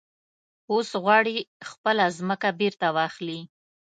اوس غواړي خپله ځمکه بېرته واخلي.